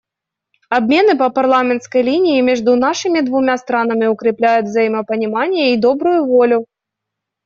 Обмены по парламентской линии между нашими двумя странами укрепляют взаимопонимание и добрую волю.